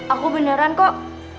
aku beneran kok